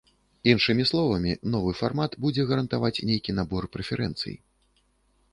Іншымі словамі, новы фармат будзе гарантаваць нейкі набор прэферэнцый.